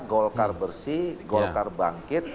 golkar bersih golkar bangkit